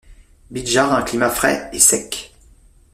Bidjar a un climat frais et sec.